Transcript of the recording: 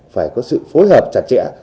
phải có sự phối hợp chặt chẽ